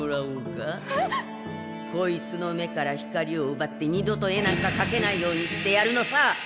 えっ！？こいつの目から光をうばって二度と絵なんか描けないようにしてやるのさ！